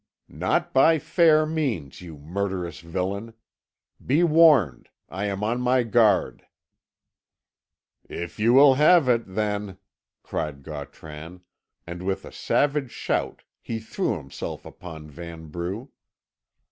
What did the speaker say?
"Not by fair means, you murderous villain. Be warned. I am on my guard." "If you will have it, then!" cried Gautran, and with a savage shout he threw himself upon Vanbrugh.